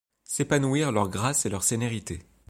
S'épanouir leur grâce et leur sérénité !